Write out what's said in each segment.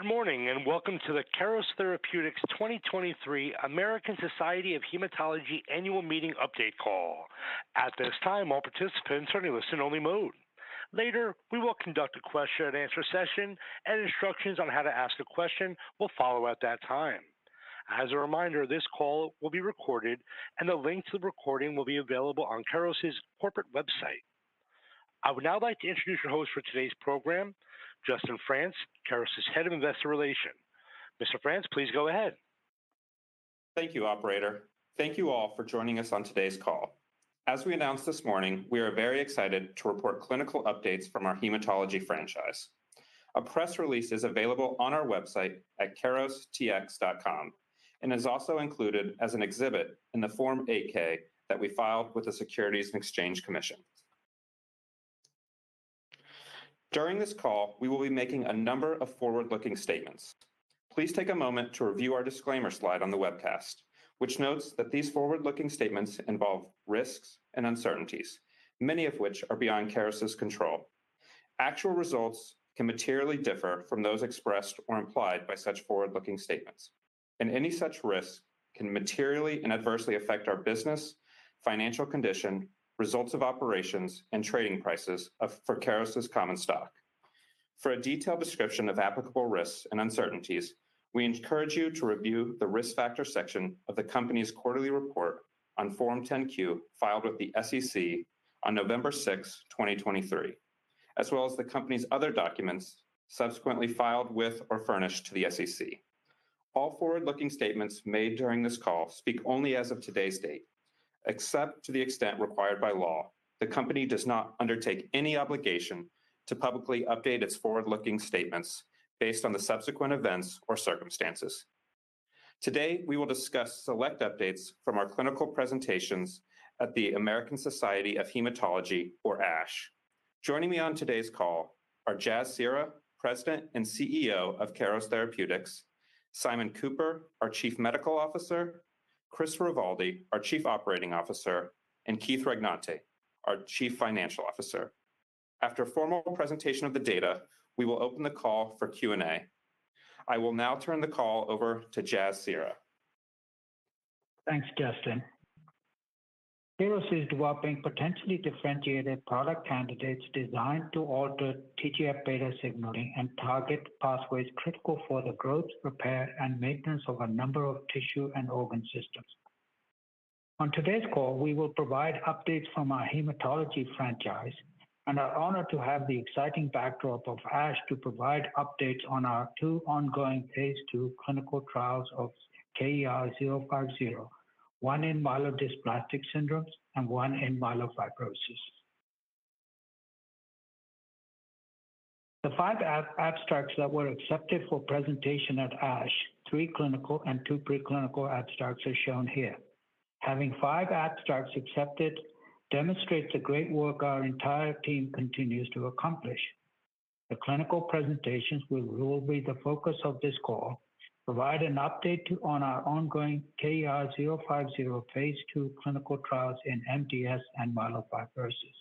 Good morning, and welcome to the Keros Therapeutics 2023 American Society of Hematology Annual Meeting update call. At this time, all participants are in listen-only mode. Later, we will conduct a question-and-answer session, and instructions on how to ask a question will follow at that time. As a reminder, this call will be recorded, and the link to the recording will be available on Keros's corporate website. I would now like to introduce your host for today's program, Justin Frantz, Keros's Head of Investor Relations. Mr. Frantz, please go ahead. Thank you, operator. Thank you all for joining us on today's call. As we announced this morning, we are very excited to report clinical updates from our hematology franchise. A press release is available on our website at kerostx.com and is also included as an exhibit in the Form 8-K that we filed with the Securities and Exchange Commission. During this call, we will be making a number of forward-looking statements. Please take a moment to review our disclaimer slide on the webcast, which notes that these forward-looking statements involve risks and uncertainties, many of which are beyond Keros's control. Actual results can materially differ from those expressed or implied by such forward-looking statements, and any such risks can materially and adversely affect our business, financial condition, results of operations, and trading prices of for Keros's Common Stock. For a detailed description of applicable risks and uncertainties, we encourage you to review the Risk Factors section of the company's quarterly report on Form 10-Q, filed with the SEC on November 6, 2023, as well as the company's other documents subsequently filed with or furnished to the SEC. All forward-looking statements made during this call speak only as of today's date. Except to the extent required by law, the company does not undertake any obligation to publicly update its forward-looking statements based on the subsequent events or circumstances. Today, we will discuss select updates from our clinical presentations at the American Society of Hematology, or ASH. Joining me on today's call are Jasbir Seehra, President and CEO of Keros Therapeutics, Simon Cooper, our Chief Medical Officer, Christopher Rovaldi, our Chief Operating Officer, and Keith Regnante, our Chief Financial Officer. After a formal presentation of the data, we will open the call for Q&A. I will now turn the call over to Jasbir Seehra. Thanks, Justin. Keros is developing potentially differentiated product candidates designed to alter TGF-β signaling and target pathways critical for the growth, repair, and maintenance of a number of tissue and organ systems. On today's call, we will provide updates from our hematology franchise and are honored to have the exciting backdrop of ASH to provide updates on our ongoing phase II clinical trials of KER-050, one in myelodysplastic syndromes and one in myelofibrosis. The 5 abstracts that were accepted for presentation at ASH, 3 clinical and 2 preclinical abstracts, are shown here. Having 5 abstracts accepted demonstrates the great work our entire team continues to accomplish. The clinical presentations, which will be the focus of this call, provide an update on our ongoing KER-050 phase 2 clinical trials in MDS and myelofibrosis.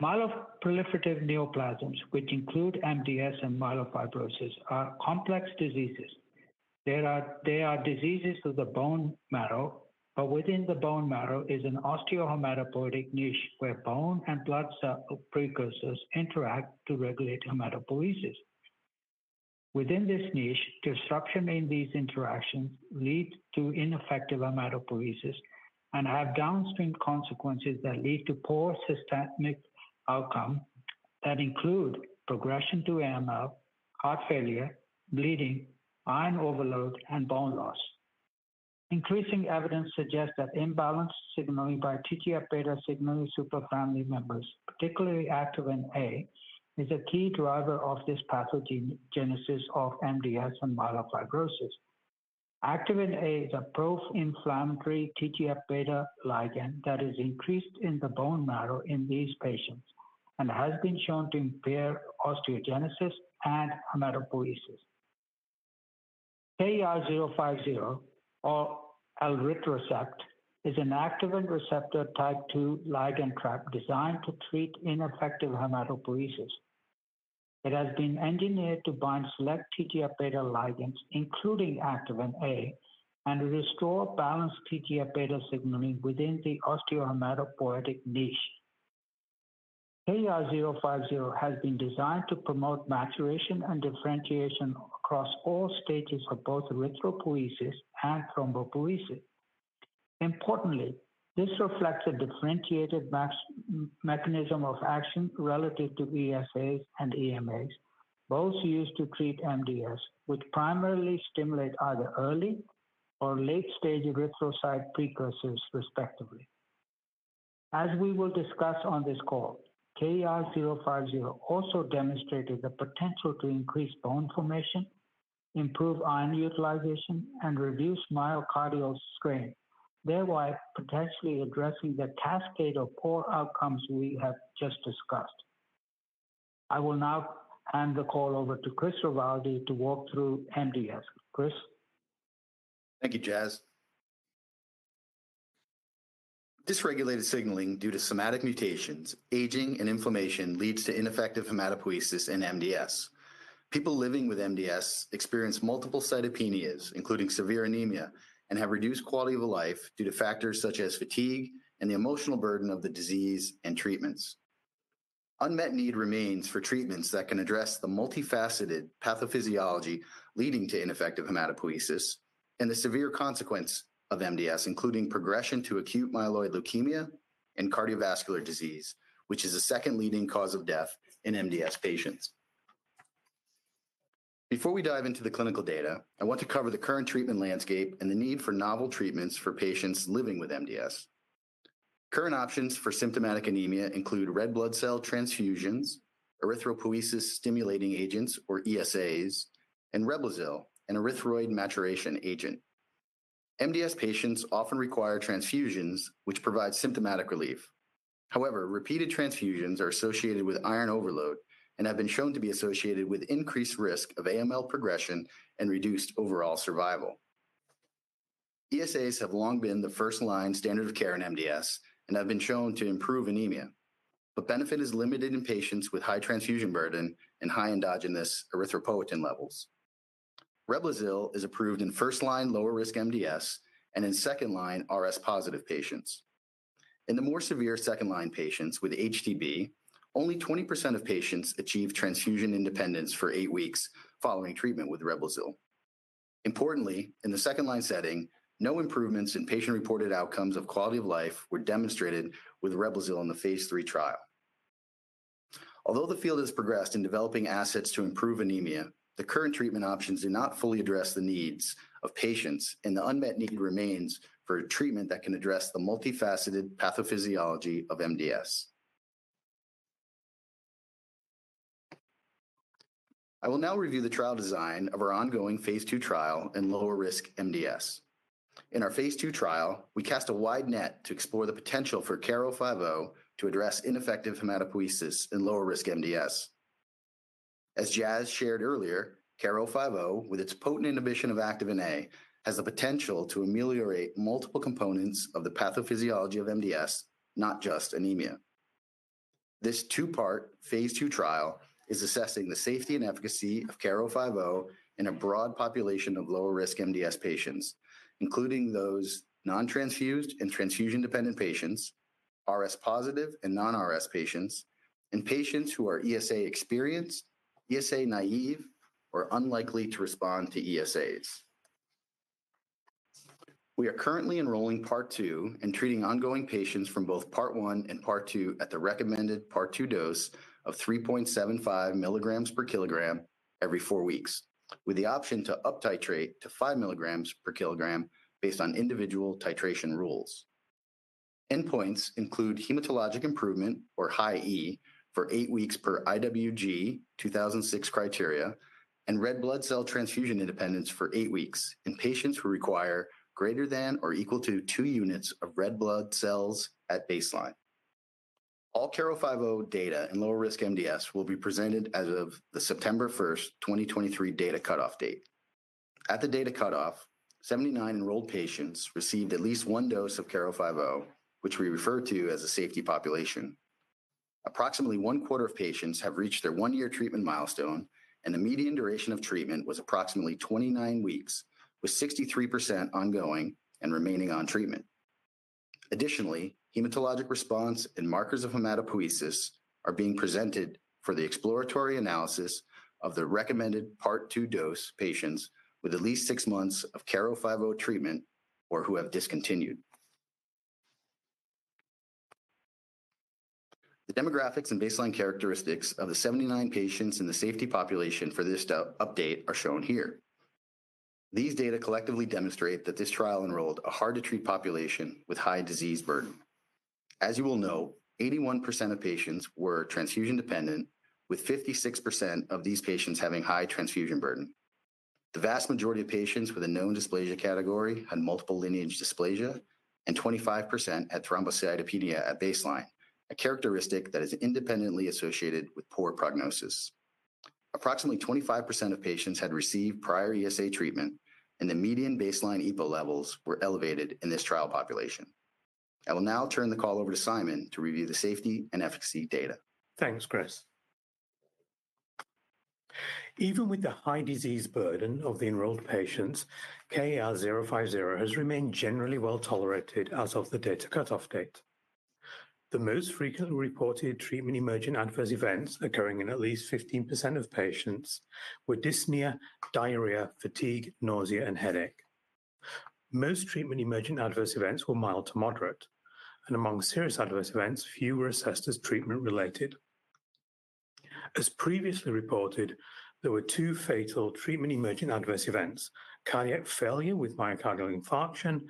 Myeloproliferative neoplasms, which include MDS and myelofibrosis, are complex diseases. They are, they are diseases of the bone marrow, but within the bone marrow is an osteo-hematopoietic niche where bone and blood cell precursors interact to regulate hematopoiesis. Within this niche, disruption in these interactions leads to ineffective hematopoiesis and have downstream consequences that lead to poor systemic outcome that include progression to AML, heart failure, bleeding, iron overload, and bone loss. Increasing evidence suggests that imbalanced signaling by TGF-β signaling superfamily members, particularly activin A, is a key driver of this pathogenesis of MDS and myelofibrosis. Activin A is a pro-inflammatory TGF-β ligand that is increased in the bone marrow in these patients and has been shown to impair osteogenesis and hematopoiesis. KER-050, or elritercept, is an activin receptor type II ligand trap designed to treat ineffective hematopoiesis. It has been engineered to bind select TGF-β ligands, including activin A, and restore balanced TGF-β signaling within the osteo-hematopoietic niche. KER-050 has been designed to promote maturation and differentiation across all stages of both erythropoiesis and thrombopoiesis. Importantly, this reflects a differentiated mechanism of action relative to ESAs and luspatercept, both used to treat MDS, which primarily stimulate either early or late-stage erythrocyte precursors, respectively. As we will discuss on this call, KER-050 also demonstrated the potential to increase bone formation, improve iron utilization, and reduce myocardial strain, thereby potentially addressing the cascade of poor outcomes we have just discussed. I will now hand the call over to Chris Rovaldi to walk through MDS. Chris? Thank you, Jas. Dysregulated signaling due to somatic mutations, aging, and inflammation leads to ineffective hematopoiesis in MDS. People living with MDS experience multiple cytopenias, including severe anemia, and have reduced quality of life due to factors such as fatigue and the emotional burden of the disease and treatments. Unmet need remains for treatments that can address the multifaceted pathophysiology leading to ineffective hematopoiesis and the severe consequence of MDS, including progression to acute myeloid leukemia and cardiovascular disease, which is the second leading cause of death in MDS patients. Before we dive into the clinical data, I want to cover the current treatment landscape and the need for novel treatments for patients living with MDS. Current options for symptomatic anemia include red blood cell transfusions, erythropoiesis-stimulating agents, or ESAs, and Reblozyl, an erythroid maturation agent. MDS patients often require transfusions, which provide symptomatic relief. However, repeated transfusions are associated with iron overload and have been shown to be associated with increased risk of AML progression and reduced overall survival. ESAs have long been the first-line standard of care in MDS and have been shown to improve anemia, but benefit is limited in patients with high transfusion burden and high endogenous erythropoietin levels. Reblozyl is approved in first-line lower-risk MDS and in second-line RS-positive patients. In the more severe second-line patients with HTB, only 20% of patients achieve transfusion independence for eight weeks following treatment with Reblozyl. Importantly, in the second-line setting, no improvements in patient-reported outcomes of quality of life were demonstrated with Reblozyl in the phase III trial. Although the field has progressed in developing assets to improve anemia, the current treatment options do not fully address the needs of patients, and the unmet need remains for a treatment that can address the multifaceted pathophysiology of MDS. I will now review the trial design of our ongoing phase II trial in lower-risk MDS. In our phase II trial, we cast a wide net to explore the potential for KER-050 to address ineffective hematopoiesis in lower-risk MDS. As Jas shared earlier, KER-050, with its potent inhibition of activin A, has the potential to ameliorate multiple components of the pathophysiology of MDS, not just anemia. This two-part phase II trial is assessing the safety and efficacy of KER-050 in a broad population of lower-risk MDS patients, including those non-transfused and transfusion-dependent patients, RS positive and non-RS patients, and patients who are ESA-experienced, ESA-naïve, or unlikely to respond to ESAs. We are currently enrolling Part 2 and treating ongoing patients from both Part 1 and Part 2 at the recommended Part 2 dose of 3.75 mg/kg every 4 weeks, with the option to uptitrate to 5 mg/kg based on individual titration rules. Endpoints include hematologic improvement, or HI-E, for 8 weeks per IWG 2006 criteria, and red blood cell transfusion independence for 8 weeks in patients who require greater than or equal to 2 units of red blood cells at baseline. All KER-050 data in lower-risk MDS will be presented as of the September 1, 2023 data cutoff date. At the data cutoff, 79 enrolled patients received at least one dose of KER-050, which we refer to as a safety population. Approximately one quarter of patients have reached their 1-year treatment milestone, and the median duration of treatment was approximately 29 weeks, with 63% ongoing and remaining on treatment. Additionally, hematologic response and markers of hematopoiesis are being presented for the exploratory analysis of the recommended Part 2 dose patients with at least 6 months of KER-050 treatment or who have discontinued. The demographics and baseline characteristics of the 79 patients in the safety population for this update are shown here. These data collectively demonstrate that this trial enrolled a hard-to-treat population with high disease burden. As you well know, 81% of patients were transfusion-dependent, with 56% of these patients having high transfusion burden. The vast majority of patients with a known dysplasia category had multiple lineage dysplasia, and 25% had thrombocytopenia at baseline, a characteristic that is independently associated with poor prognosis. Approximately 25% of patients had received prior ESA treatment, and the median baseline EPO levels were elevated in this trial population. I will now turn the call over to Simon to review the safety and efficacy data. Thanks, Chris. Even with the high disease burden of the enrolled patients, KER-050 has remained generally well-tolerated as of the data cutoff date. The most frequently reported treatment-emerging adverse events occurring in at least 15% of patients were dyspnea, diarrhea, fatigue, nausea, and headache. Most treatment-emerging adverse events were mild to moderate, and among serious adverse events, few were assessed as treatment-related. As previously reported, there were two fatal treatment-emerging adverse events: cardiac failure with myocardial infarction,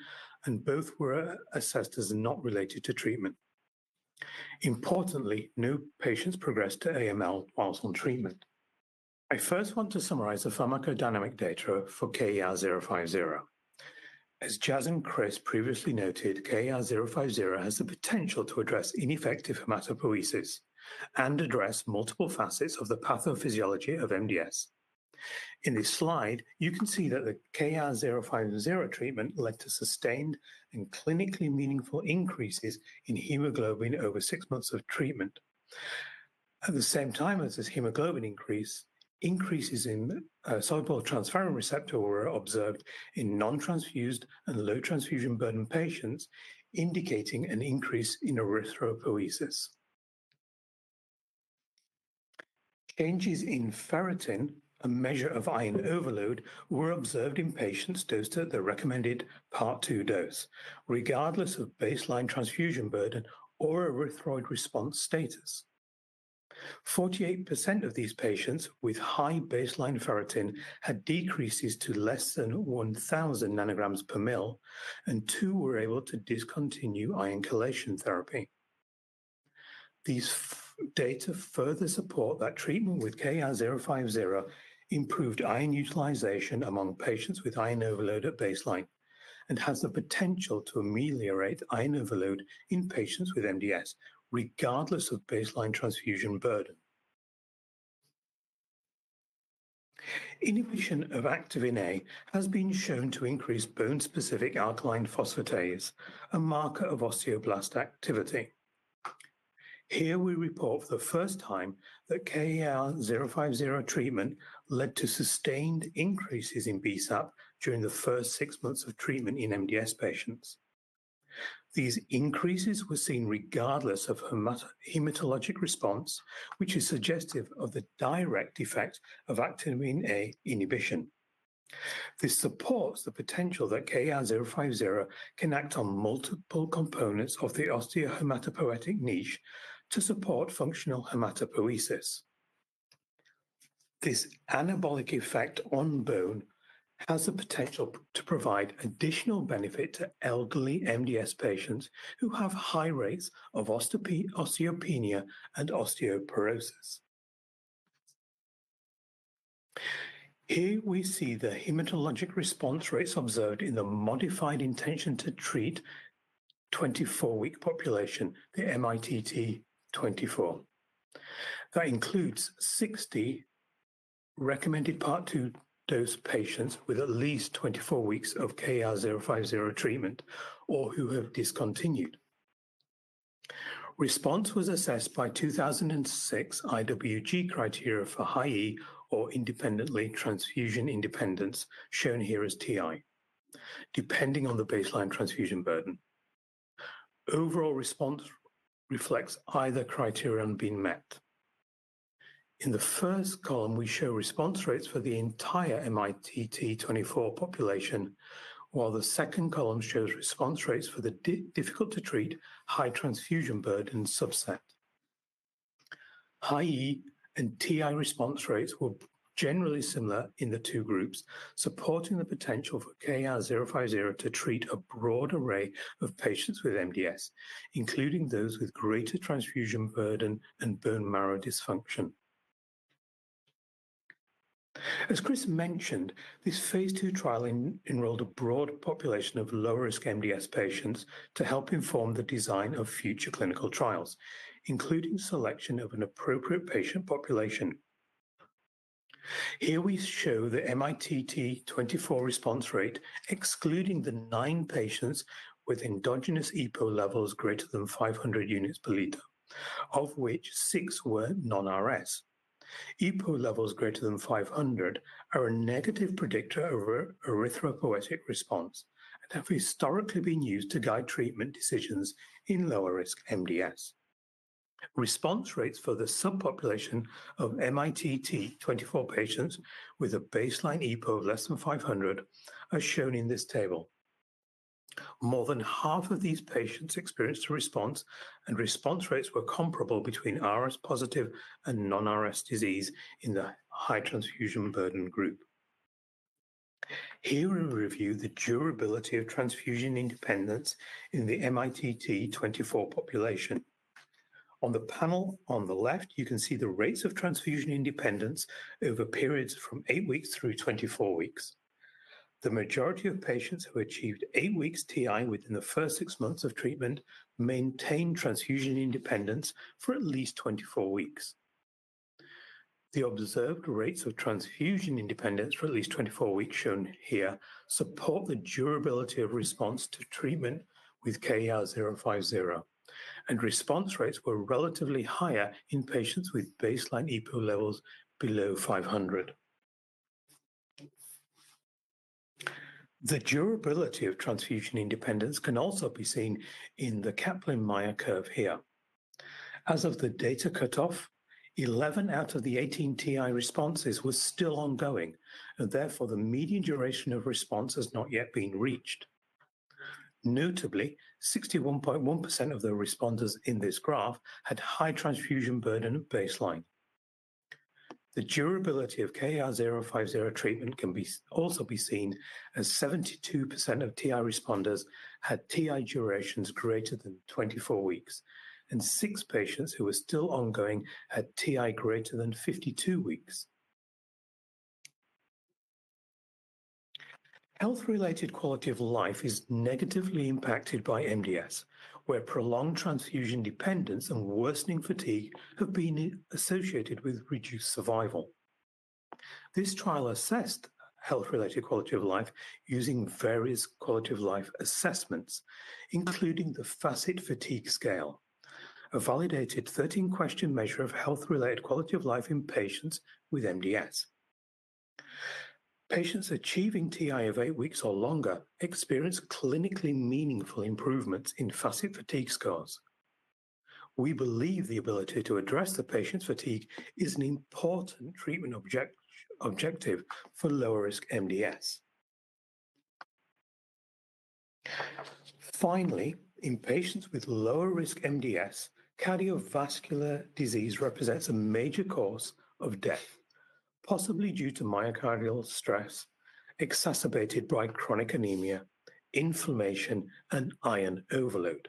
and both were assessed as not related to treatment. Importantly, no patients progressed to AML while on treatment. I first want to summarize the pharmacodynamic data for KER-050. As Jas and Chris previously noted, KER-050 has the potential to address ineffective hematopoiesis and address multiple facets of the pathophysiology of MDS.... In this slide, you can see that the KER-050 treatment led to sustained and clinically meaningful increases in hemoglobin over 6 months of treatment. At the same time as this hemoglobin increase, increases in soluble transferrin receptor were observed in non-transfused and low transfusion burden patients, indicating an increase in erythropoiesis. Changes in ferritin, a measure of iron overload, were observed in patients dosed at the recommended Part 2 dose, regardless of baseline transfusion burden or erythroid response status. 48% of these patients with high baseline ferritin had decreases to less than 1,000 nanograms per ml, and 2 were able to discontinue iron chelation therapy. These data further support that treatment with KER-050 improved iron utilization among patients with iron overload at baseline and has the potential to ameliorate iron overload in patients with MDS, regardless of baseline transfusion burden. Inhibition of activin A has been shown to increase bone-specific alkaline phosphatase, a marker of osteoblast activity. Here, we report for the first time that KER-050 treatment led to sustained increases in BSAP during the first six months of treatment in MDS patients. These increases were seen regardless of hematologic response, which is suggestive of the direct effect of activin A inhibition. This supports the potential that KER-050 can act on multiple components of the osteohematopoietic niche to support functional hematopoiesis. This anabolic effect on bone has the potential to provide additional benefit to elderly MDS patients who have high rates of osteopenia and osteoporosis. Here we see the hematologic response rates observed in the modified intention-to-treat 24-week population, the mITT24. That includes 60 recommended Part 2 dose patients with at least 24 weeks of KER-050 treatment or who have discontinued. Response was assessed by 2006 IWG criteria for HI-E or transfusion independence, shown here as TI, depending on the baseline transfusion burden. Overall response reflects either criterion being met. In the first column, we show response rates for the entire mITT24 population, while the second column shows response rates for the difficult-to-treat high transfusion burden subset. HI-E and TI response rates were generally similar in the two groups, supporting the potential for KER-050 to treat a broad array of patients with MDS, including those with greater transfusion burden and bone marrow dysfunction. As Chris mentioned, this phase II trial enrolled a broad population of lower-risk MDS patients to help inform the design of future clinical trials, including selection of an appropriate patient population. Here we show the mITT24 response rate, excluding the 9 patients with endogenous EPO levels greater than 500 units per liter, of which 6 were non-RS. EPO levels greater than 500 are a negative predictor of erythropoietic response and have historically been used to guide treatment decisions in lower-risk MDS. Response rates for the subpopulation of mITT24 patients with a baseline EPO of less than 500 are shown in this table. More than half of these patients experienced a response, and response rates were comparable between RS-positive and non-RS disease in the high transfusion burden group. Here, we review the durability of transfusion independence in the mITT24 population. On the panel on the left, you can see the rates of transfusion independence over periods from 8 weeks through 24 weeks. The majority of patients who achieved 8 weeks TI within the first 6 months of treatment maintained transfusion independence for at least 24 weeks. The observed rates of transfusion independence for at least 24 weeks, shown here, support the durability of response to treatment with KER-050, and response rates were relatively higher in patients with baseline EPO levels below 500. The durability of transfusion independence can also be seen in the Kaplan-Meier curve here. As of the data cutoff, 11 out of the 18 TI responses were still ongoing, and therefore the median duration of response has not yet been reached. Notably, 61.1% of the responders in this graph had high transfusion burden at baseline. The durability of KER-050 treatment can also be seen as 72% of TI responders had TI durations greater than 24 weeks, and 6 patients who were still ongoing had TI greater than 52 weeks. Health-related quality of life is negatively impacted by MDS, where prolonged transfusion dependence and worsening fatigue have been associated with reduced survival. This trial assessed health-related quality of life using various quality of life assessments, including the FACIT-Fatigue scale, a validated 13-question measure of health-related quality of life in patients with MDS. Patients achieving TI of 8 weeks or longer experienced clinically meaningful improvements in FACIT fatigue scores. We believe the ability to address the patient's fatigue is an important treatment objective for lower-risk MDS. Finally, in patients with lower-risk MDS, cardiovascular disease represents a major cause of death, possibly due to myocardial stress, exacerbated by chronic anemia, inflammation, and iron overload.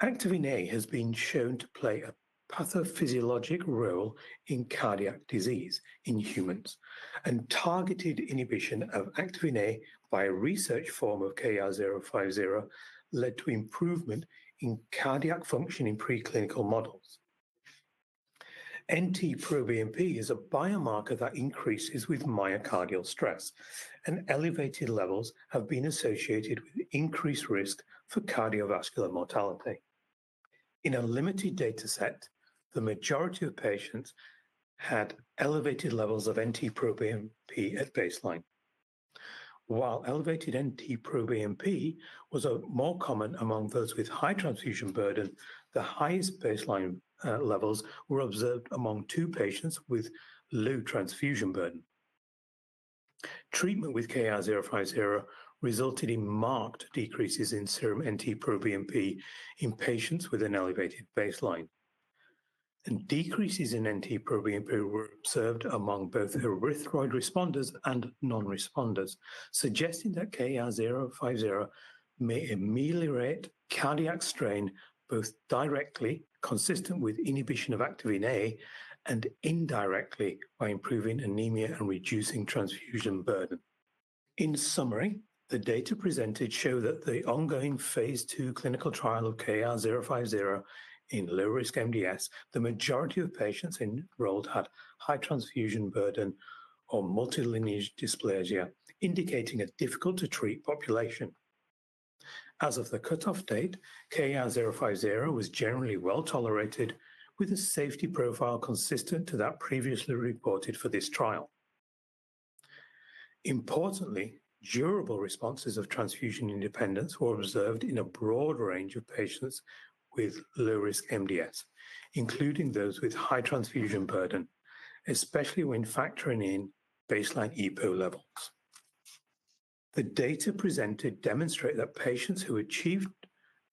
Activin A has been shown to play a pathophysiologic role in cardiac disease in humans, and targeted inhibition of activin A by a research form of KER-050 led to improvement in cardiac function in preclinical models. NT-proBNP is a biomarker that increases with myocardial stress, and elevated levels have been associated with increased risk for cardiovascular mortality. In a limited dataset, the majority of patients had elevated levels of NT-proBNP at baseline. While elevated NT-proBNP was more common among those with high transfusion burden, the highest baseline levels were observed among two patients with low transfusion burden. Treatment with KER-050 resulted in marked decreases in serum NT-proBNP in patients with an elevated baseline. Decreases in NT-proBNP were observed among both erythroid responders and non-responders, suggesting that KER-050 may ameliorate cardiac strain, both directly, consistent with inhibition of activin A, and indirectly by improving anemia and reducing transfusion burden. In summary, the data presented show that the ongoing phase II clinical trial of KER-050 in low-risk MDS, the majority of patients enrolled had high transfusion burden or multilineage dysplasia, indicating a difficult-to-treat population. As of the cutoff date, KER-050 was generally well-tolerated, with a safety profile consistent to that previously reported for this trial. Importantly, durable responses of transfusion independence were observed in a broad range of patients with low-risk MDS, including those with high transfusion burden, especially when factoring in baseline EPO levels. The data presented demonstrate that patients who achieved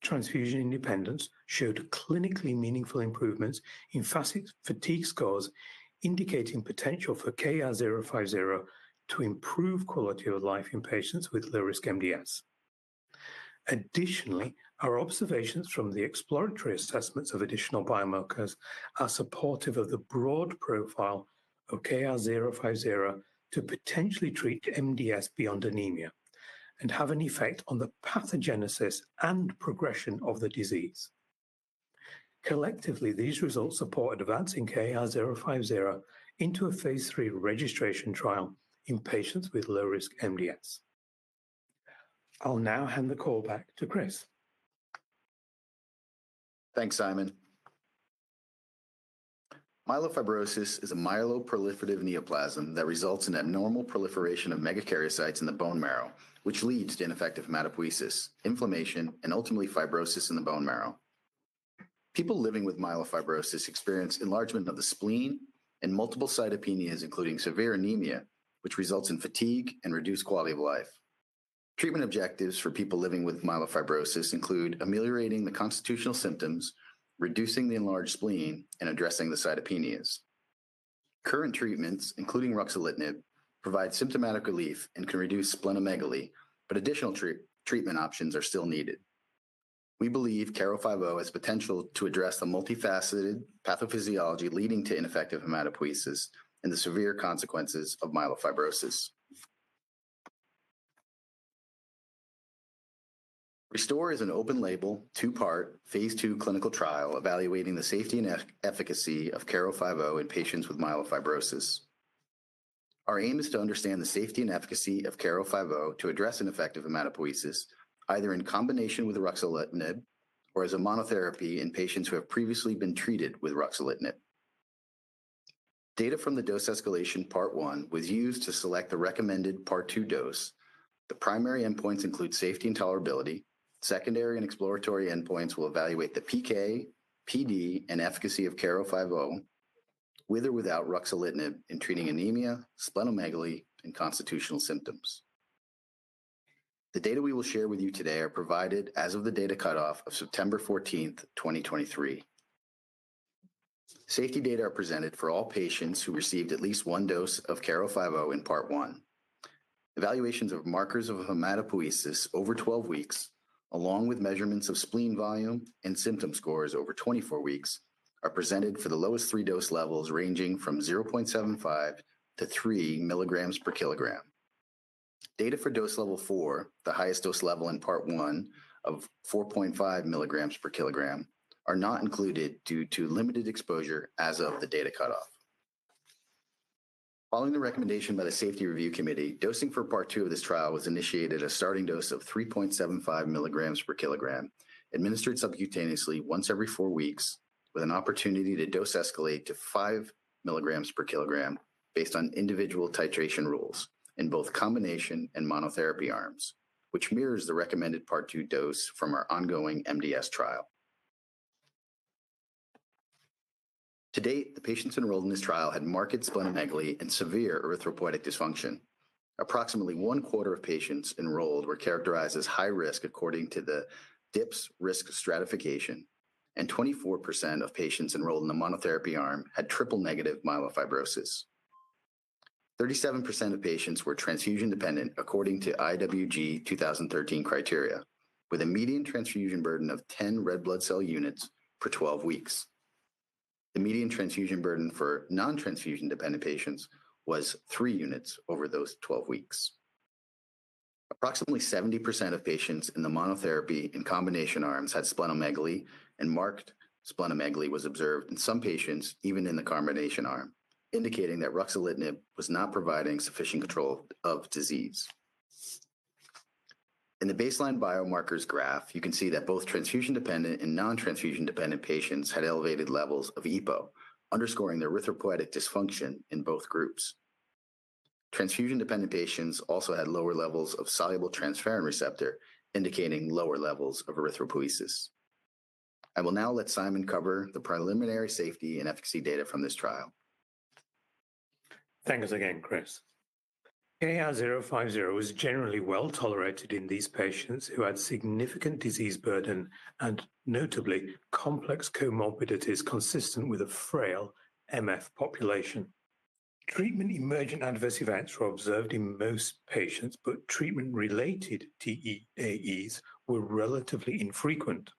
transfusion independence showed clinically meaningful improvements in FACIT fatigue scores, indicating potential for KER-050 to improve quality of life in patients with low-risk MDS. Additionally, our observations from the exploratory assessments of additional biomarkers are supportive of the broad profile of KER-050 to potentially treat MDS beyond anemia and have an effect on the pathogenesis and progression of the disease. Collectively, these results support advancing KER-050 into a phase III registration trial in patients with low-risk MDS. I'll now hand the call back to Chris. Thanks, Simon. Myelofibrosis is a myeloproliferative neoplasm that results in abnormal proliferation of megakaryocytes in the bone marrow, which leads to ineffective hematopoiesis, inflammation, and ultimately fibrosis in the bone marrow. People living with myelofibrosis experience enlargement of the spleen and multiple cytopenias, including severe anemia, which results in fatigue and reduced quality of life. Treatment objectives for people living with myelofibrosis include ameliorating the constitutional symptoms, reducing the enlarged spleen, and addressing the cytopenias. Current treatments, including ruxolitinib, provide symptomatic relief and can reduce splenomegaly, but additional treatment options are still needed. We believe KER-050 has potential to address the multifaceted pathophysiology leading to ineffective hematopoiesis and the severe consequences of myelofibrosis. RESTORE is an open-label, two-part, phase II clinical trial evaluating the safety and efficacy of KER-050 in patients with myelofibrosis. Our aim is to understand the safety and efficacy of KER-050 to address ineffective hematopoiesis, either in combination with ruxolitinib or as a monotherapy in patients who have previously been treated with ruxolitinib. Data from the dose escalation Part 1 was used to select the recommended Part 2 dose. The primary endpoints include safety and tolerability. Secondary and exploratory endpoints will evaluate the PK, PD, and efficacy of KER-050, with or without ruxolitinib, in treating anemia, splenomegaly, and constitutional symptoms. The data we will share with you today are provided as of the data cutoff of September 14th, 2023. Safety data are presented for all patients who received at least one dose of KER-050 in Part 1. Evaluations of markers of hematopoiesis over 12 weeks-... along with measurements of spleen volume and symptom scores over 24 weeks, are presented for the lowest 3 dose levels, ranging from 0.75 to 3 mg/kg. Data for dose level 4, the highest dose level in Part 1 of 4.5 mg/kg, are not included due to limited exposure as of the data cutoff. Following the recommendation by the Safety Review Committee, dosing for Part 2 of this trial was initiated a starting dose of 3.75 mg/kg, administered subcutaneously once every 4 weeks, with an opportunity to dose escalate to 5 mg/kg based on individual titration rules in both combination and monotherapy arms, which mirrors the recommended Part 2 dose from our ongoing MDS trial. To date, the patients enrolled in this trial had marked splenomegaly and severe erythropoietic dysfunction. Approximately one quarter of patients enrolled were characterized as high risk, according to the DIPSS risk stratification, and 24% of patients enrolled in the monotherapy arm had triple-negative myelofibrosis. 37% of patients were transfusion-dependent, according to IWG 2013 criteria, with a median transfusion burden of 10 red blood cell units for 12 weeks. The median transfusion burden for non-transfusion dependent patients was 3 units over those 12 weeks. Approximately 70% of patients in the monotherapy and combination arms had splenomegaly, and marked splenomegaly was observed in some patients, even in the combination arm, indicating that ruxolitinib was not providing sufficient control of disease. In the baseline biomarkers graph, you can see that both transfusion-dependent and non-transfusion dependent patients had elevated levels of EPO, underscoring the erythropoietic dysfunction in both groups. Transfusion-dependent patients also had lower levels of soluble transferrin receptor, indicating lower levels of erythropoiesis. I will now let Simon cover the preliminary safety and efficacy data from this trial. Thanks again, Chris. KER-050 was generally well-tolerated in these patients who had significant disease burden and notably complex comorbidities consistent with a frail MF population. Treatment-emergent adverse events were observed in most patients, but treatment-related TEAEs were relatively infrequent.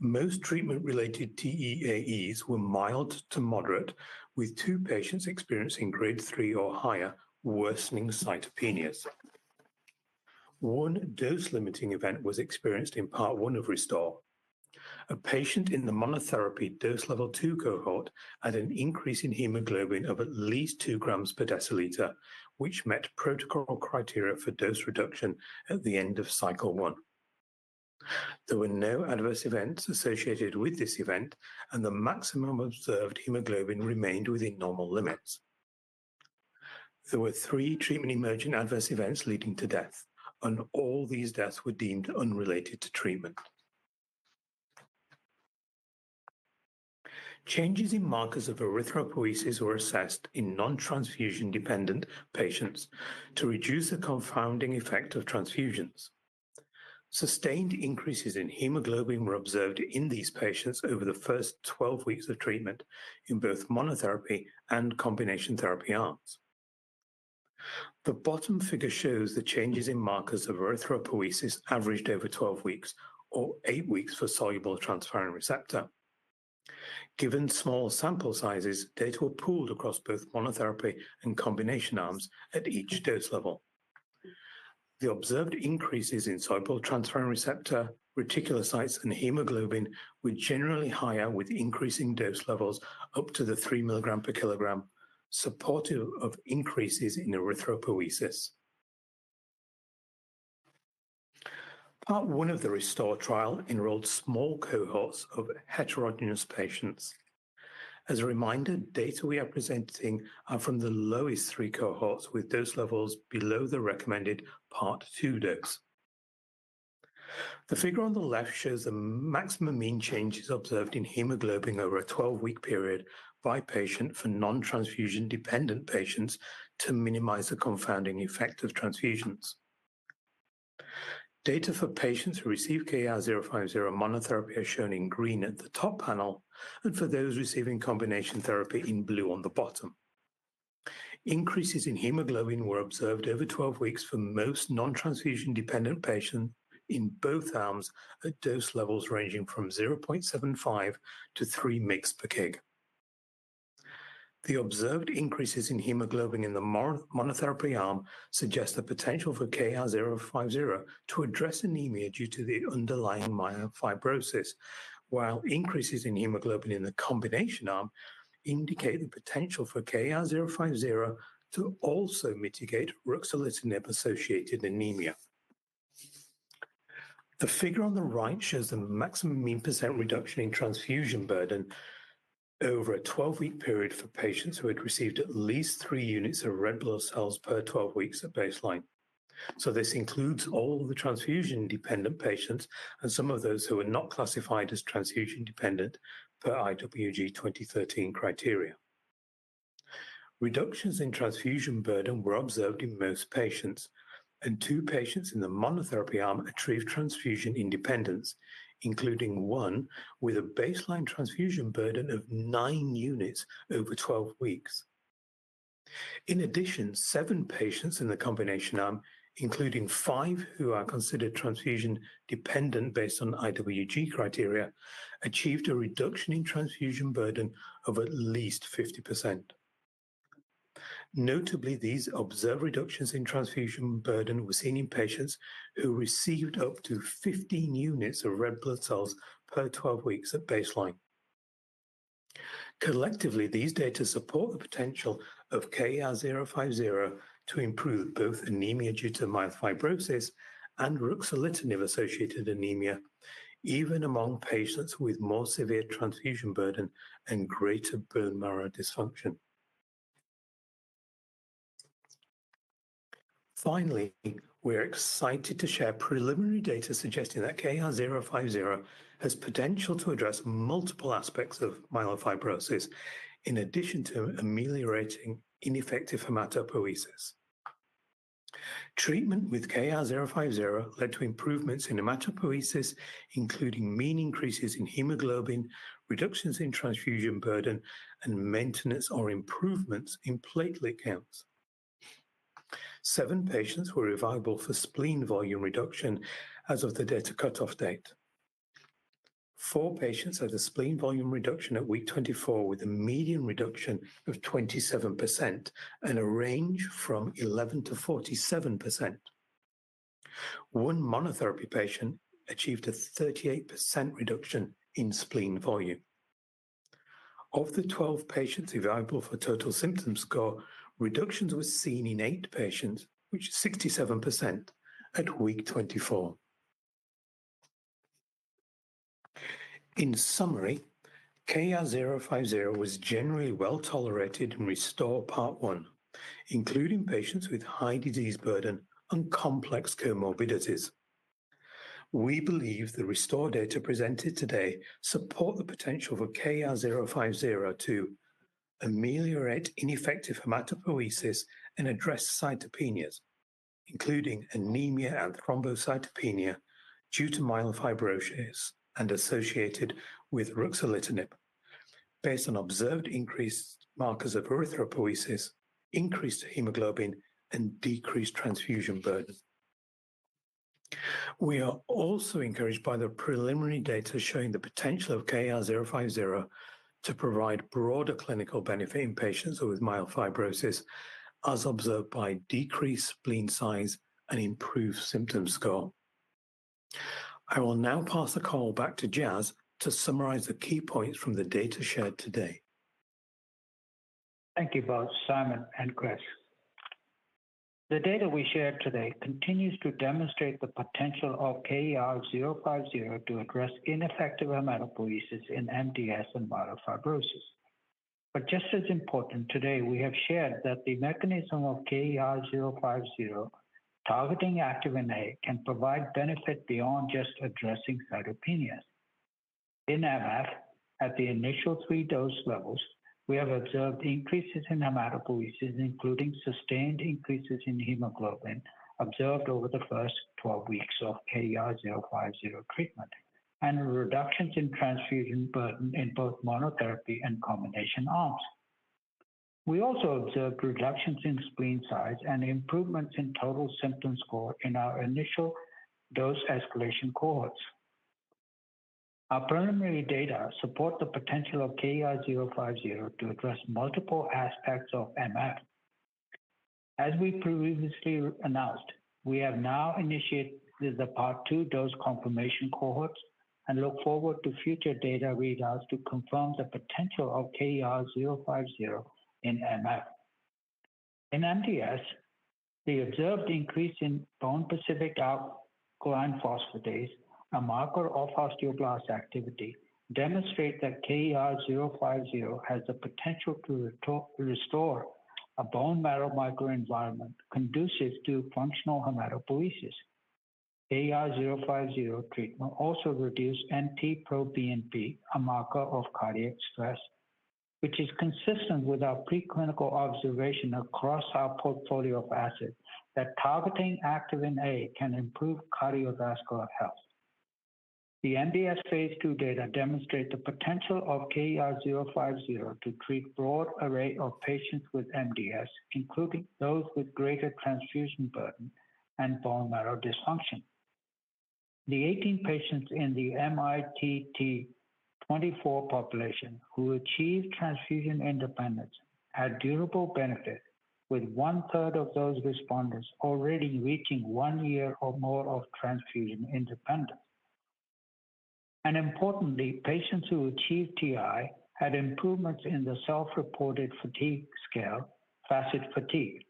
Most treatment-related TEAEs were mild to moderate, with two patients experiencing Grade 3 or higher worsening cytopenias. One dose-limiting event was experienced in Part 1 of RESTORE. A patient in the monotherapy dose level two cohort had an increase in hemoglobin of at least two grams per deciliter, which met protocol criteria for dose reduction at the end of cycle one. There were no adverse events associated with this event, and the maximum observed hemoglobin remained within normal limits. There were three treatment-emergent adverse events leading to death, and all these deaths were deemed unrelated to treatment. Changes in markers of erythropoiesis were assessed in non-transfusion dependent patients to reduce the confounding effect of transfusions. Sustained increases in hemoglobin were observed in these patients over the first 12 weeks of treatment in both monotherapy and combination therapy arms. The bottom figure shows the changes in markers of erythropoiesis averaged over 12 weeks or 8 weeks for soluble transferrin receptor. Given small sample sizes, data were pooled across both monotherapy and combination arms at each dose level. The observed increases in soluble transferrin receptor, reticulocytes, and hemoglobin were generally higher, with increasing dose levels up to the 3 mg/kg, supportive of increases in erythropoiesis. Part 1 of the RESTORE trial enrolled small cohorts of heterogeneous patients. As a reminder, data we are presenting are from the lowest 3 cohorts, with dose levels below the recommended Part 2 dose. The figure on the left shows the maximum mean changes observed in hemoglobin over a 12-week period by patient for non-transfusion dependent patients to minimize the confounding effect of transfusions. Data for patients who received KER-050 monotherapy are shown in green at the top panel, and for those receiving combination therapy in blue on the bottom. Increases in hemoglobin were observed over 12 weeks for most non-transfusion dependent patients in both arms, at dose levels ranging from 0.75 mg/kg to 3 mg/kg. The observed increases in hemoglobin in the monotherapy arm suggest the potential for KER-050 to address anemia due to the underlying myelofibrosis, while increases in hemoglobin in the combination arm indicate the potential for KER-050 to also mitigate ruxolitinib-associated anemia. The figure on the right shows the maximum mean % reduction in transfusion burden over a 12-week period for patients who had received at least 3 units of red blood cells per 12 weeks at baseline. So this includes all the transfusion-dependent patients and some of those who were not classified as transfusion-dependent per IWG 2013 criteria. Reductions in transfusion burden were observed in most patients, and 2 patients in the monotherapy arm achieved transfusion independence, including one with a baseline transfusion burden of 9 units over 12 weeks. In addition, 7 patients in the combination arm, including 5 who are considered transfusion-dependent based on IWG criteria, achieved a reduction in transfusion burden of at least 50%. Notably, these observed reductions in transfusion burden were seen in patients who received up to 15 units of red blood cells per 12 weeks at baseline. Collectively, these data support the potential of KER-050 to improve both anemia due to myelofibrosis and ruxolitinib-associated anemia, even among patients with more severe transfusion burden and greater bone marrow dysfunction. Finally, we're excited to share preliminary data suggesting that KER-050 has potential to address multiple aspects of myelofibrosis, in addition to ameliorating ineffective hematopoiesis. Treatment with KER-050 led to improvements in hematopoiesis, including mean increases in hemoglobin, reductions in transfusion burden, and maintenance or improvements in platelet counts. Seven patients were evaluable for spleen volume reduction as of the data cutoff date. Four patients had a spleen volume reduction at week 24, with a median reduction of 27% and a range from 11%-47%. One monotherapy patient achieved a 38% reduction in spleen volume. Of the 12 patients evaluable for Total Symptom Score, reductions were seen in 8 patients, which is 67% at week 24. In summary, KER-050 was generally well-tolerated in RESTORE Part 1, including patients with high disease burden and complex comorbidities. We believe the RESTORE data presented today support the potential for KER-050 to ameliorate ineffective hematopoiesis and address cytopenias, including anemia and thrombocytopenia due to myelofibrosis and associated with ruxolitinib, based on observed increased markers of erythropoiesis, increased hemoglobin, and decreased transfusion burden. We are also encouraged by the preliminary data showing the potential of KER-050 to provide broader clinical benefit in patients with myelofibrosis, as observed by decreased spleen size and improved symptom score. I will now pass the call back to Jas to summarize the key points from the data shared today. Thank you both, Simon and Chris. The data we shared today continues to demonstrate the potential of KER-050 to address ineffective hematopoiesis in MDS and myelofibrosis. But just as important, today, we have shared that the mechanism of KER-050 targeting activin A can provide benefit beyond just addressing cytopenias. In MF, at the initial three dose levels, we have observed increases in hematopoiesis, including sustained increases in hemoglobin observed over the first 12 weeks of KER-050 treatment and reductions in transfusion burden in both monotherapy and combination arms. We also observed reductions in spleen size and improvements in Total Symptom Score in our initial dose escalation cohorts. Our preliminary data support the potential of KER-050 to address multiple aspects of MF. As we previously announced, we have now initiated the Part 2 dose confirmation cohorts and look forward to future data readouts to confirm the potential of KER-050 in MF. In MDS, the observed increase in bone-specific alkaline phosphatase, a marker of osteoblast activity, demonstrate that KER-050 has the potential to restore a bone marrow microenvironment conducive to functional hematopoiesis. KER-050 treatment also reduced NT-proBNP, a marker of cardiac stress, which is consistent with our preclinical observation across our portfolio of assets, that targeting activin A can improve cardiovascular health. The MDS phase II data demonstrate the potential of KER-050 to treat broad array of patients with MDS, including those with greater transfusion burden and bone marrow dysfunction. The 18 patients in the mITT24 population who achieved transfusion independence had durable benefit, with one-third of those responders already reaching 1 year or more of transfusion independence. Importantly, patients who achieved TI had improvements in the self-reported fatigue scale, FACIT-Fatigue.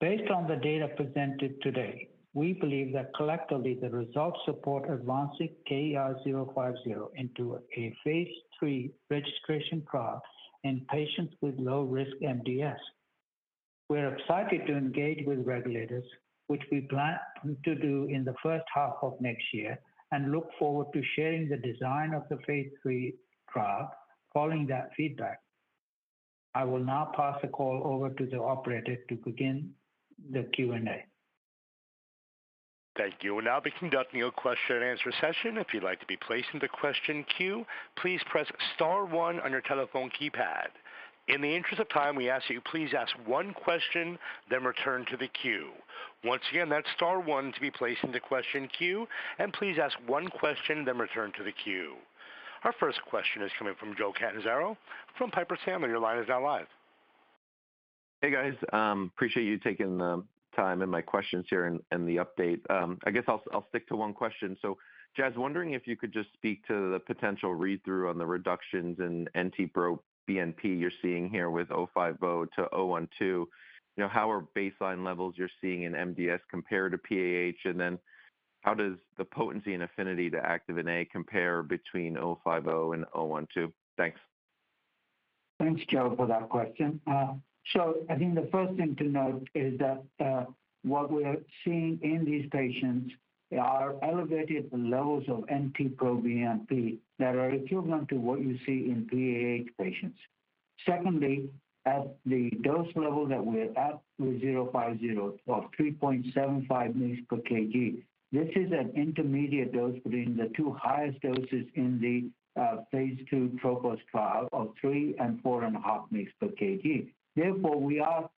Based on the data presented today, we believe that collectively, the results support advancing KER-050 into a phase III registration trial in patients with low-risk MDS. We're excited to engage with regulators, which we plan to do in the first half of next year, and look forward to sharing the design of the phase III trial following that feedback. I will now pass the call over to the operator to begin the Q&A. Thank you. We'll now be conducting a question-and-answer session. If you'd like to be placed in the question queue, please press star one on your telephone keypad. In the interest of time, we ask that you please ask one question, then return to the queue. Once again, that's star one to be placed in the question queue, and please ask one question, then return to the queue. Our first question is coming from Joe Catanzaro from Piper Sandler. Your line is now live. Hey, guys. Appreciate you taking the time and my questions here and the update. I guess I'll stick to one question. So, Jas, wondering if you could just speak to the potential read-through on the reductions in NT-proBNP you're seeing here with 050 to 012. You know, how are baseline levels you're seeing in MDS compare to PAH? And then how does the potency and affinity to activin A compare between 050 and 012? Thanks. Thanks, Joe, for that question. So I think the first thing to note is that, what we are seeing in these patients are elevated levels of NT-proBNP that are equivalent to what you see in PAH patients. Secondly, at the dose level that we're at with KER-050 of 3.75 mg/kg, this is an intermediate dose between the two highest doses in the phase II TROPOS trial of 3 and 4.5 mg/kg. Therefore, we are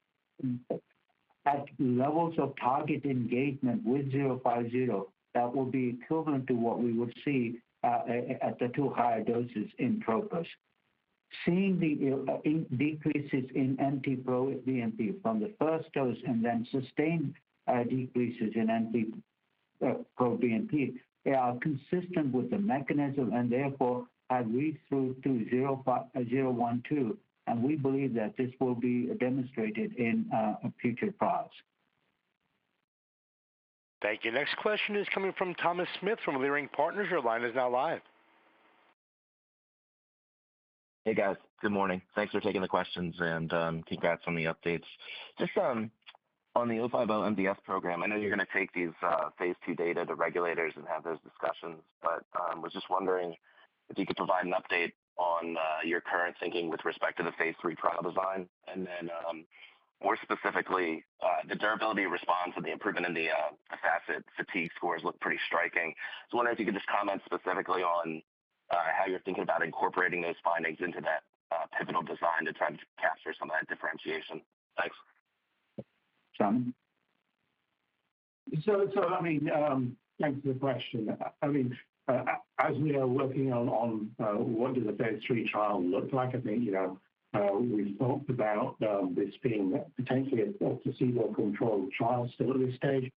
at levels of target engagement with KER-050 that will be equivalent to what we would see, at the two higher doses in TROPOS. Seeing the decreases in NT-proBNP from the first dose and then sustained decreases in NT-proBNP, they are consistent with the mechanism and therefore have read-through to 012, and we believe that this will be demonstrated in future trials. Thank you. Next question is coming from Thomas Smith from Leerink Partners. Your line is now live. Hey, guys. Good morning. Thanks for taking the questions, and, congrats on the updates. Just, on the 050 MDS program, I know you're going to take these phase II data to regulators and have those discussions, but was just wondering if you could provide an update on your current thinking with respect to the phase III trial design. And then, more specifically, the durability response and the improvement in the FACIT fatigue scores look pretty striking. So I wonder if you could just comment specifically on how you're thinking about incorporating those findings into that pivotal design to try to capture some of that differentiation. Thanks. Simon? I mean, thanks for the question. I mean, as we are working on what does a phase III trial look like, I think, you know, we've talked about this being potentially a placebo-controlled trial still at this stage,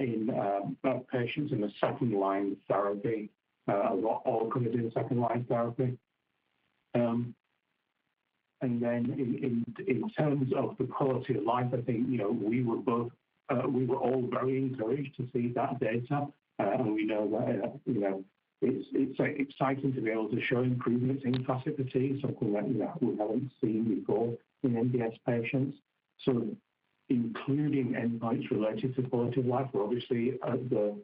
in both patients in the second-line therapy, or could be the second-line therapy. And then in terms of the quality of life, I think, you know, we were all very encouraged to see that data. And we know that, you know, it's exciting to be able to show improvements in FACIT fatigue, something that, you know, we haven't seen before in MDS patients. So including endpoints related to quality of life are obviously at the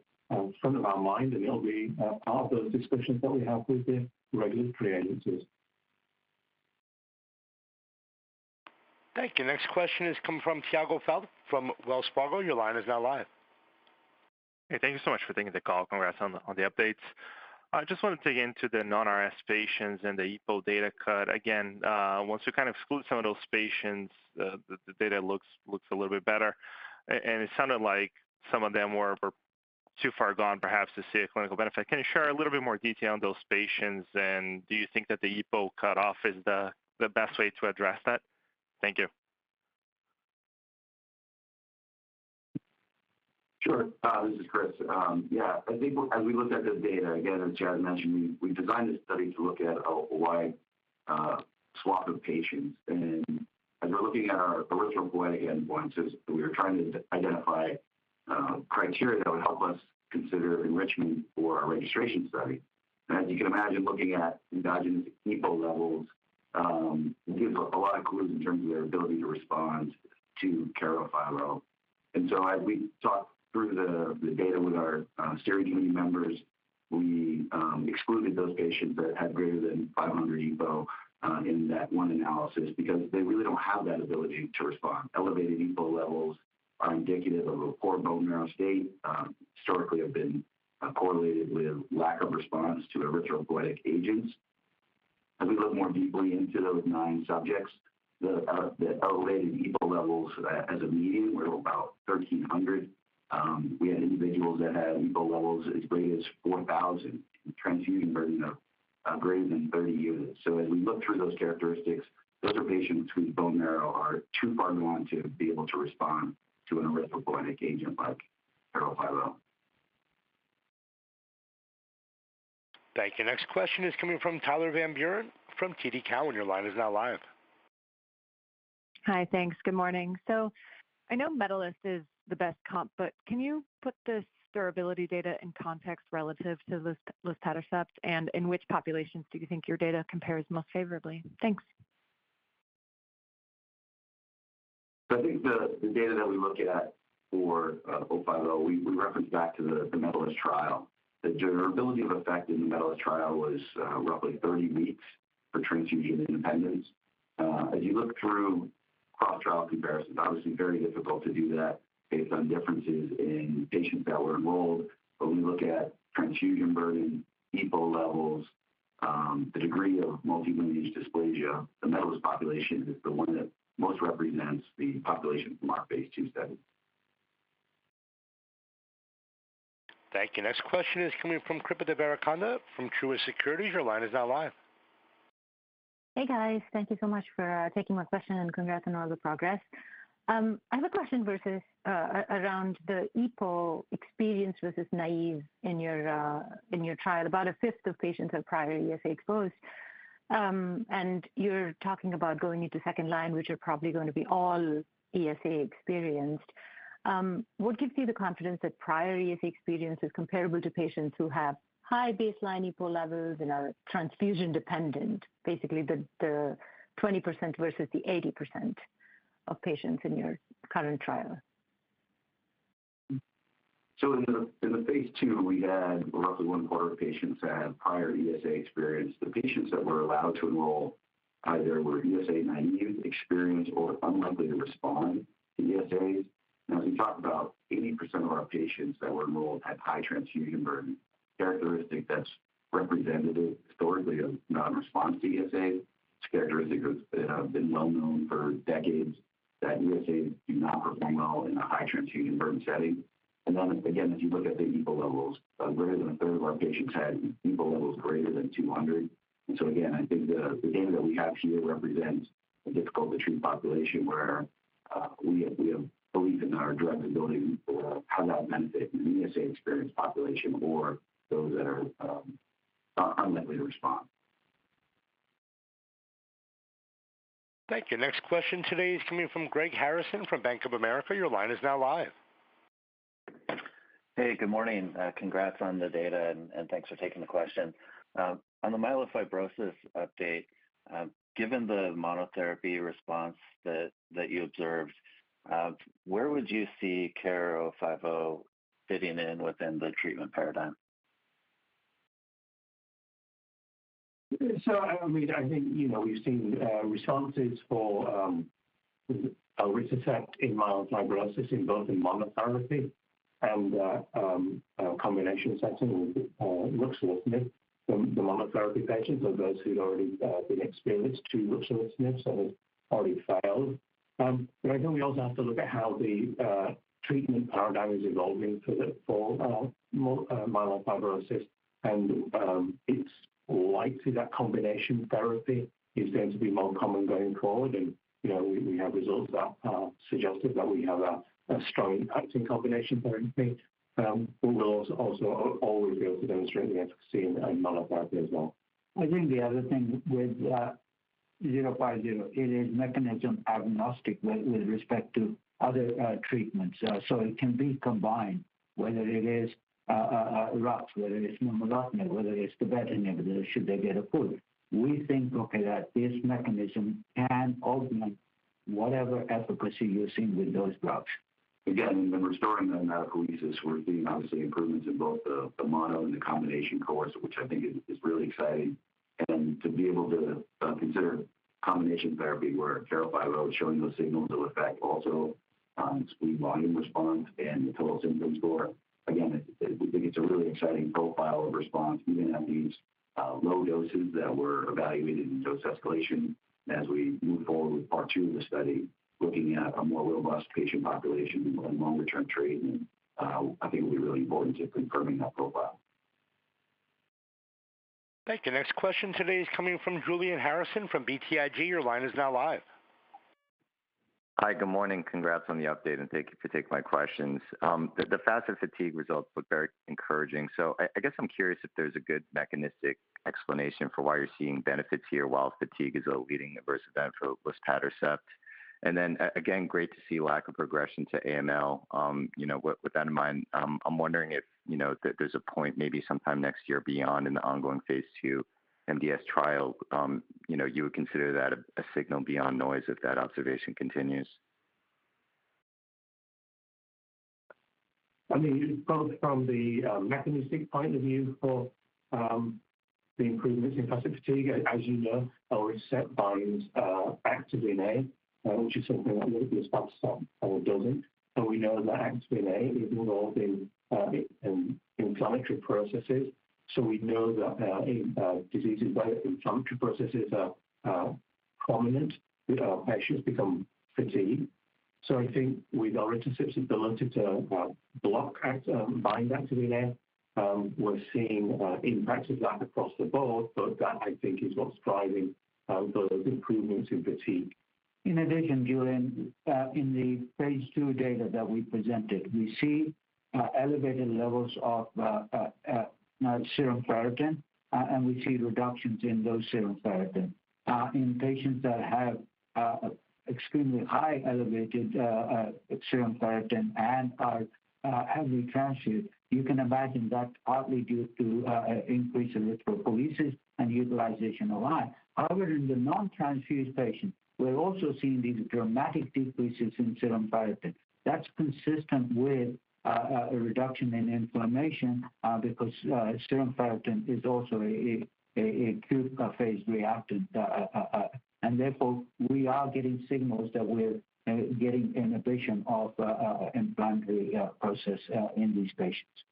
front of our mind, and it'll be part of those discussions that we have with the regulatory agencies. Thank you. Next question is coming from Tiago Fauth from Wells Fargo. Your line is now live. Hey, thank you so much for taking the call. Congrats on the updates. I just wanted to dig into the non-RS patients and the EPO data cut. Again, once you kind of exclude some of those patients, the data looks a little bit better, and it sounded like some of them were too far gone perhaps to see a clinical benefit. Can you share a little bit more detail on those patients? And do you think that the EPO cutoff is the best way to address that? Thank you. Sure. This is Chris. Yeah, I think as we looked at this data, again, as Jas mentioned, we designed this study to look at a wide swath of patients. And as we're looking at our erythropoietic endpoints, as we were trying to identify criteria that would help us consider enrichment for our registration study. And as you can imagine, looking at endogenous EPO levels gives a lot of clues in terms of their ability to respond to ESAs. And so as we thought through the data with our steering committee members, we excluded those patients that had greater than 500 EPO in that one analysis because they really don't have that ability to respond. Elevated EPO levels are indicative of a poor bone marrow state, historically have been correlated with lack of response to erythropoietic agents. As we look more deeply into those nine subjects, the elevated EPO levels as a median were about 1,300. We had individuals that had EPO levels as great as 4,000 and transfusion burden of greater than 30 units. So as we look through those characteristics, those are patients whose bone marrow are too far gone to be able to respond to an erythropoietic agent like carfilzomib. Thank you. Next question is coming from Tyler Van Buren from TD Cowen. Your line is now live. Hi, thanks. Good morning. So I know MEDALIST is the best comp, but can you put the durability data in context relative to luspatercept? And in which populations do you think your data compares most favorably? Thanks. I think the data that we look at for 050, we reference back to the MEDALIST trial. The durability of effect in the MEDALIST trial was roughly 30 weeks for transfusion independence. As you look through cross-trial comparisons, obviously very difficult to do that based on differences in patients that were enrolled. But we look at transfusion burden, EPO levels, the degree of multilineage dysplasia. The MDS population is the one that most represents the population from our phase II study. Thank you. Next question is coming from Kripa Devarakonda from Truist Securities. Your line is now live. Hey, guys. Thank you so much for taking my question, and congrats on all the progress. I have a question versus around the EPO experience versus naive in your trial. About a fifth of patients are prior ESA exposed, and you're talking about going into second line, which are probably going to be all ESA experienced. What gives you the confidence that prior ESA experience is comparable to patients who have high baseline EPO levels and are transfusion-dependent, basically, the 20% versus the 80% of patients in your current trial? So in the phase II, we had roughly one quarter of patients had prior ESA experience. The patients that were allowed to enroll either were ESA naive, experienced, or unlikely to respond to ESAs. Now, we talked about 80% of our patients that were enrolled had high transfusion burden, characteristic that's representative historically of non-response to ESAs. It's a characteristic that's been well known for decades that ESAs do not perform well in a high transfusion burden setting. And then again, as you look at the EPO levels, greater than a third of our patients had EPO levels greater than 200. And so again, I think the data that we have here represents a difficult to treat population where we have belief in our drug's ability to have that benefit in the ESA-experienced population or those that are unlikely to respond. Thank you. Next question today is coming from Greg Harrison from Bank of America. Your line is now live. Hey, good morning. Congrats on the data, and thanks for taking the question. On the myelofibrosis update, given the monotherapy response that you observed, where would you see KER-050 fitting in within the treatment paradigm? So, I mean, I think, you know, we've seen responses for our elritercept in myelofibrosis in both monotherapy and a combination setting with ruxolitinib. The monotherapy patients are those who'd already been exposed to ruxolitinib, so have already failed. But I think we also have to look at how the treatment paradigm is evolving for the myelofibrosis. It's likely that combination therapy is going to be more common going forward. You know, we have results that suggested that we have a strong acting combination therapy. We will also always be able to demonstrate the efficacy in monotherapy as well. I think the other thing with KER-050, it is mechanism agnostic with respect to other treatments. So it can be combined, whether it is ruxolitinib, whether it's momelotinib, whether it's pacritinib, should they get approved. We think, okay, that this mechanism can augment whatever efficacy you're seeing with those drugs. Again, in the RESTORE study, we're seeing obviously improvements in both the mono and the combination cohorts, which I think is really exciting. And to be able to consider combination therapy where KER-050 is showing those signals of effect also, spleen volume response and the total symptom score. Again, we think it's a really exciting profile of response, even at these low doses that were evaluated in dose escalation. As we move forward with Part 2 of the study, looking at a more robust patient population and longer-term treatment, I think it will be really important to confirming that profile. Thank you. Next question today is coming from Julian Harrison from BTIG. Your line is now live. Hi, good morning. Congrats on the update, and thank you for taking my questions. The FACIT fatigue results look very encouraging. So I guess I'm curious if there's a good mechanistic explanation for why you're seeing benefits here, while fatigue is a leading adverse event for blinatumomab. And then, again, great to see lack of progression to AML. You know, with that in mind, I'm wondering if, you know, that there's a point, maybe sometime next year beyond in the ongoing phase II MDS trial, you know, you would consider that a signal beyond noise if that observation continues? I mean, both from the mechanistic point of view for the improvements in patient fatigue, as you know, are set by activin A, which is something that maybe acts as a stop sign or doesn't. So we know that activin A is involved in inflammatory processes. So we know that in diseases where inflammatory processes are prominent, patients become fatigued. So I think with our elritercept's ability to block and bind that activin A, we're seeing impacts of that across the board, but that, I think, is what's driving those improvements in fatigue. In addition, Julian, in the phase II data that we presented, we see elevated levels of serum ferritin, and we see reductions in those serum ferritin. In patients that have extremely high elevated serum ferritin and are heavily transfused, you can imagine that's partly due to increase in erythropoiesis and utilization alike. However, in the non-transfused patients, we're also seeing these dramatic decreases in serum ferritin. That's consistent with a reduction in inflammation, because serum ferritin is also a acute phase reactant. And therefore, we are getting signals that we're getting inhibition of inflammatory process in these patients.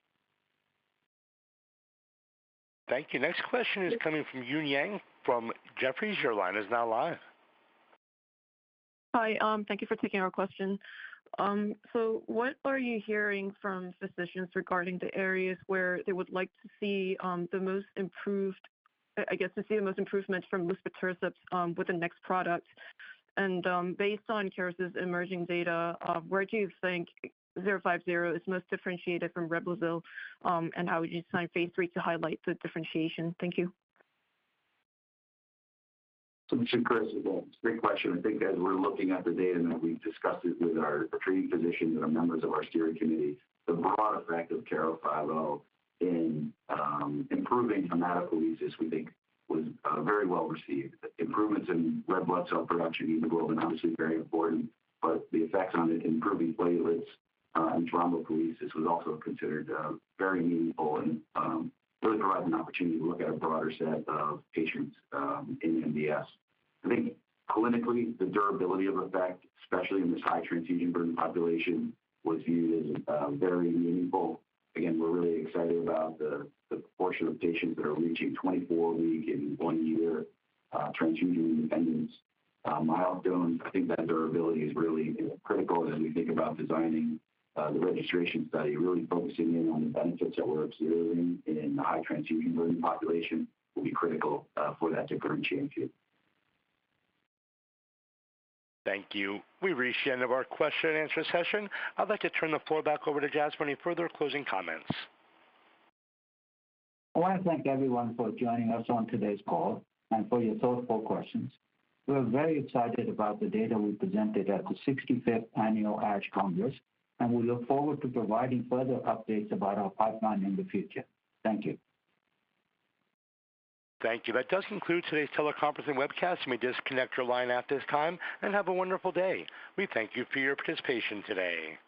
Thank you. Next question is coming from Eun Yang from Jefferies. Your line is now live. Hi. Thank you for taking our question. So what are you hearing from physicians regarding the areas where they would like to see the most improved... I guess to see the most improvements from luspatercept with the next product? And based on Keros's emerging data, where do you think KER-050 is most differentiated from Revlimid, and how would you design Phase III to highlight the differentiation? Thank you. So this is Chris. Yeah, great question. I think as we're looking at the data that we've discussed with our treating physicians and our members of our steering committee, the broad effect of KER-050 in improving hematopoiesis, we think was very well received. Improvements in red blood cell production, hemoglobin, obviously very important, but the effects on improving platelets and thrombopoiesis was also considered very meaningful and really provide an opportunity to look at a broader set of patients in MDS. I think clinically, the durability of effect, especially in this high transfusion burden population, was viewed as very meaningful. Again, we're really excited about the proportion of patients that are reaching 24-week and 1-year transfusion independence milestone. I think that durability is really critical as we think about designing the registration study. Really focusing in on the benefits that we're observing in the high transfusion burden population will be critical, for that to differentiate. Thank you. We've reached the end of our question-and-answer session. I'd like to turn the floor back over to Jas for any further closing comments. I want to thank everyone for joining us on today's call and for your thoughtful questions. We're very excited about the data we presented at the 65th Annual ASH Congress, and we look forward to providing further updates about our pipeline in the future. Thank you. Thank you. That does conclude today's teleconference and webcast. You may disconnect your line at this time, and have a wonderful day. We thank you for your participation today.